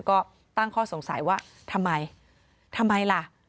ก็ตั้งข้อสงสัยว่าทำไมทำไมล่ะ